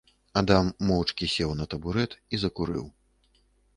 Адам моўчкі сеў на табурэт і закурыў.